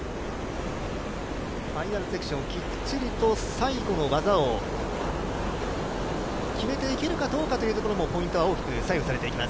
ファイナルセクション、きっちりと最後の技を決めていけるかどうかというところもポイントが大きく左右されていきます。